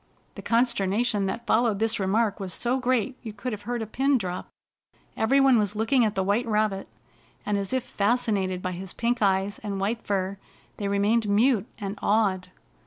The consternation that followed this remark was so great you could have heard a pin drop. Every one was looking at the white rabbit, and, as if fascinated by his pink eyes and white fur, they remained mute and awed.